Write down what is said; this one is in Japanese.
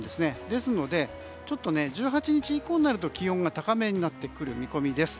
ですので１８日以降になると気温が高めになる見込みです。